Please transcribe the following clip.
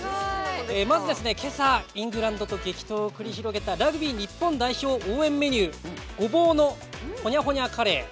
まず、今朝、イングランドと激闘を繰り広げたラグビー日本代表応援メニュー「ごぼうの●●●カレー」。